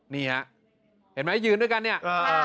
นี่ฮะเห็นไหมยืนด้วยกันเนี่ย